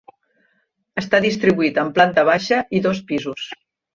Està distribuït en planta baixa i dos pisos.